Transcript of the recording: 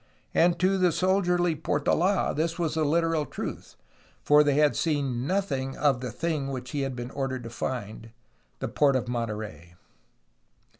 And to the soldierly Portola this was the literal truth, for they had seen "nothing" of the thing which he had been ordered to find, the port of Monterey.